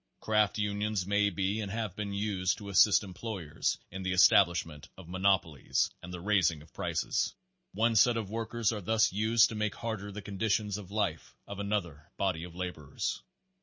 Craft unions may be and have been used to assist employers in the establishment of monopolies and the raising of prices. One set of workers are thus used to make harder the conditions of life of another body of laborers.